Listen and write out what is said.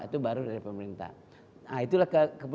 itu baru dari pemerintah